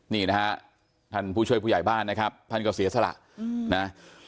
นี่นะฮะท่านผู้ช่วยผู้ใหญ่บ้านนะครับท่านก็เสียสละนะ